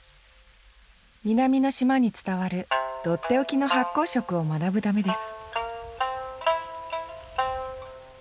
南の島に伝わるとっておきの発酵食を学ぶためです